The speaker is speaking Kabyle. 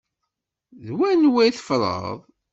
D wanwa tfeḍreḍ?